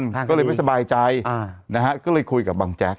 ก็เลยไม่สบายใจอ่านะฮะก็เลยคุยกับบังแจ๊ก